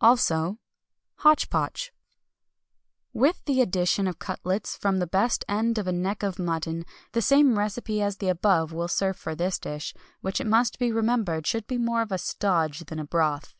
Also Hotch Potch. With the addition of cutlets from the best end of a neck of mutton, the same recipe as the above will serve for this dish, which it must be remembered should be more of a "stodge" than a broth.